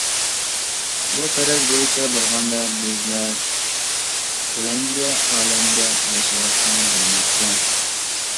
بۇ پەرەز بويىچە بولغاندا بىزلەر كۆلەڭگە ئالەمدە ياشاۋاتقان بولىمىزكەن!